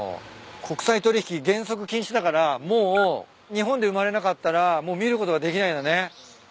国際取引原則禁止だから日本で生まれなかったらもう見ることができないんだね。